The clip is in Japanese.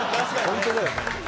本当だよね。